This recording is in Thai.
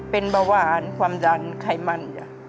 เป็นเบาหวานความดันไขมัน